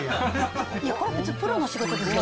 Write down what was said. これ普通、プロの仕事ですよ。